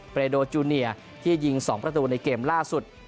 เรโดจูเนียที่ยิง๒ประตูในเกมล่าสุด